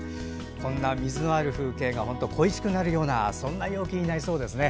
こんな水のある風景が恋しくなるような陽気になりそうですね。